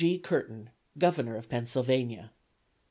G. CURTIN, Governor of Pennsylvania."